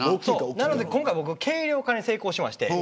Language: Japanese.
今回、軽量化に成功しまして